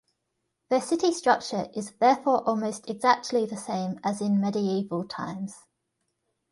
The city structure is therefore almost exactly the same as in medieval times.